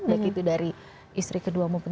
baik itu dari istri kedua maupun